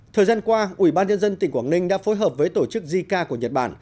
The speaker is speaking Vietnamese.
thời gian qua ủy ban nhân dân tỉnh quảng ninh đã phối hợp với tổ chức jica của nhật bản